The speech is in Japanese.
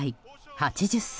８０歳。